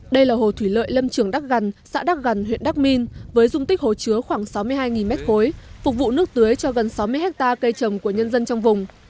đây là hồ thủy lợi lâm trường đắc gằn xã đắc gần huyện đắc minh với dung tích hồ chứa khoảng sáu mươi hai m ba phục vụ nước tưới cho gần sáu mươi hectare cây trồng của nhân dân trong vùng